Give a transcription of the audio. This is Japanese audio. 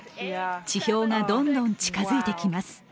地表がどんどん近づいてきます。